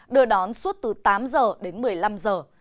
đưa đón suốt từ tám giờ đến một mươi năm giờ